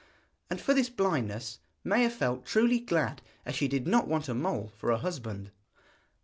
And for this blindness Maia felt truly glad, as she did not want a mole for a husband.